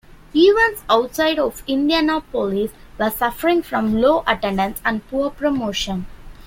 Events outside of Indianapolis were suffering from low attendance, and poor promotion.